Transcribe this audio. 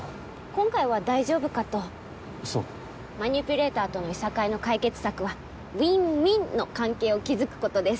今回は大丈夫かとそうマニピュレーターとのいさかいの解決策はウィンウィンの関係を築くことです